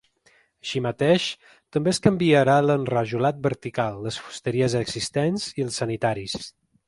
Així mateix, també es canviarà l’enrajolat vertical, les fusteries existents i els sanitaris.